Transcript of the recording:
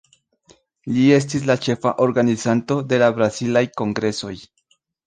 Li estis la ĉefa organizanto de la Brazilaj Kongresoj.